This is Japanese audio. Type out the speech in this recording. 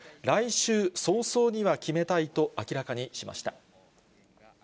来週早々には決めたいと明らかにしました。